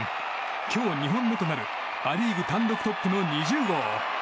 今日２本目となるア・リーグ単独トップの２０号。